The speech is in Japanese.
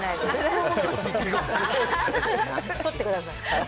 取ってください。